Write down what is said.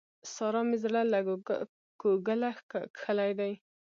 سارا مې زړه له کوګله کښلی دی.